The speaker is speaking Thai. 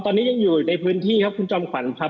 ตอนนี้ยังอยู่ในพื้นที่ครับคุณจอมขวัญครับ